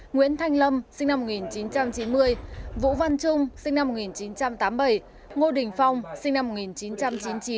nguyễn thanh lâm sinh năm một nghìn chín trăm chín mươi vũ văn trung sinh năm một nghìn chín trăm tám mươi bảy ngô đình phong sinh năm một nghìn chín trăm chín mươi chín